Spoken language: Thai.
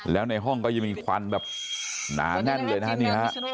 แล้วในห้องก็ยังมีควันแบบหนาแน่นเลยนะฮะนี่ฮะ